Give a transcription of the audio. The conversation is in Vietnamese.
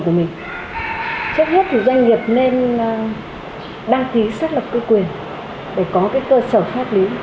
trước hết thì doanh nghiệp nên đăng ký xác lập cái quyền để có cái cơ sở pháp lý